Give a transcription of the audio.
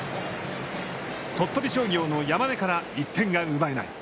鳥取商業の山根から１点が奪えない。